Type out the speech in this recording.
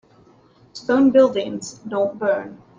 Stone buildings don't burn.